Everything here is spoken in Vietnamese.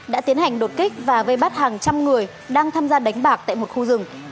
đã tiến hành đột kích và vây bắt hàng trăm người đang tham gia đánh bạc tại một khu rừng